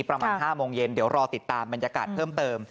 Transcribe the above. ประมาณ๕โมงเย็นเดี๋ยวรอติดตามบรรยากาศเพิ่มเติม